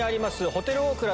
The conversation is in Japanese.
ホテルオークラ